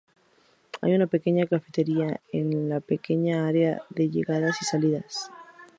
Hay una pequeña cafetería en la pequeña área de llegadas y salidas.